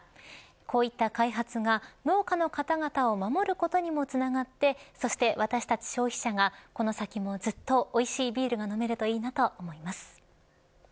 こういった開発が農家の方々を守ることにもつながってそして私たち消費者がこの先もずっとおいしいビールが飲めるといいなと思います。